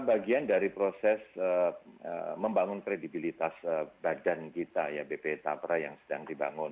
bagian dari proses membangun kredibilitas badan kita ya bp tapra yang sedang dibangun